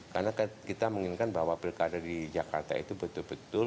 karena kita menginginkan bahwa berkada di jakarta itu betul betul